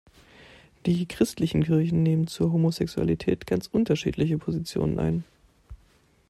Die christlichen Kirchen nehmen zur Homosexualität ganz unterschiedliche Positionen ein.